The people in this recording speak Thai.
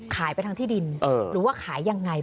ขายไปทางที่ดินหรือว่าขายอย่างไรบ้าง